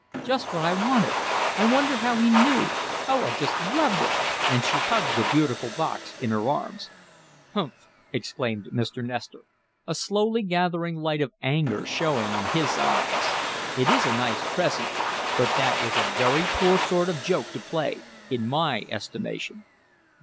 Just what I wanted! I wonder how he knew? Oh, I just love it!" and she hugged the beautiful box in her arms. "Humph!" exclaimed Mr. Nestor, a slowly gathering light of anger showing in his eyes. "It is a nice present, but that is a very poor sort of joke to play, in my estimation."